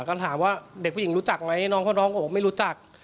ก็ถามว่าเด็กผู้หญิงรู้จักไหมน้องเขาร้องบอกว่าไม่รู้จัก